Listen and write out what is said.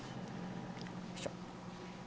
よいしょ。